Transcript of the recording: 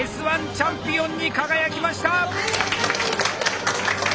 チャンピオンに輝きました！